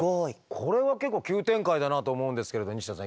これは結構急展開だなと思うんですけれど西田さん